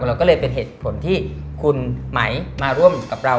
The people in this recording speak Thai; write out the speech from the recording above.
เราก็เลยเป็นเหตุผลที่คุณไหมมาร่วมกับเรา